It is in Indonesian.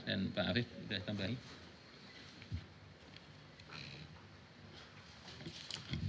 dan pak arief bisa tambahin